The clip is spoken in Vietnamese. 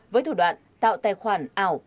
với thủ đoạn tạo tài khoản ảo